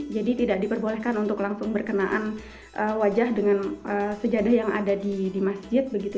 tidak diperbolehkan untuk langsung berkenaan wajah dengan sejadah yang ada di masjid begitu